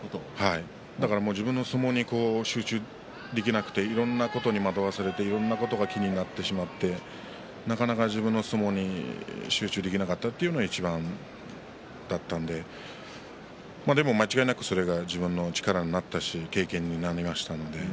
自分の相撲に集中できなくていろんなことに惑わされていろんなことが気になってしまってなかなか自分の相撲に集中できなかったというのがいちばんだったんででも間違いなくそれが自分の力になったし、経験になりました。